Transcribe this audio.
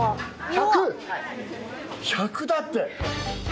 １００だって。